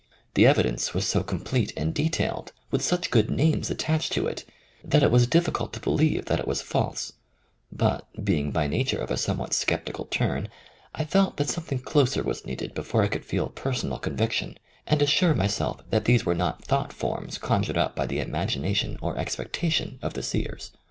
The evidence was so complete and detailed, with such good names attached to it, that it was difficult to believe that it was false; but, being by nature of a somewhat sceptical turn, I felt that something closer was needed before I could feel personal conviction and assure myself that these were not thought forms conjured up by the imagination or expectation of the seers.